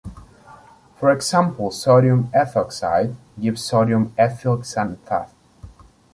For example, sodium ethoxide gives sodium ethyl xanthate.